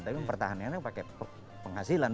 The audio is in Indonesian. tapi pertahanannya pake penghasilan